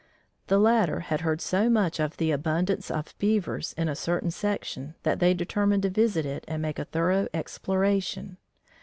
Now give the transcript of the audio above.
The latter had heard so much of the abundance of beavers in a certain section that they determined to visit it and make a thorough exploration.